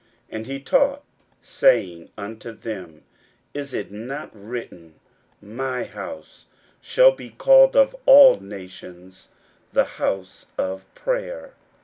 41:011:017 And he taught, saying unto them, Is it not written, My house shall be called of all nations the house of prayer?